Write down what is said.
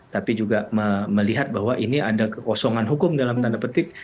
tapi juga melihat bahwa ini ada kekosongan hukum dalam tanda petik